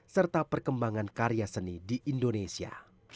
serta perkembangan karya seni di indonesia